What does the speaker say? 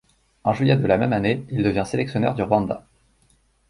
En juillet de la même année, il devient sélectionneur du Rwanda.